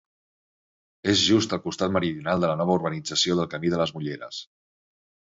És just al costat meridional de la nova urbanització del Camí de les Mulleres.